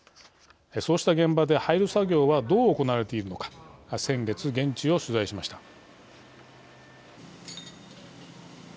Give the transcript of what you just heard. そうした現場で廃炉作業はどう行われているのか先月、現地を取材しました。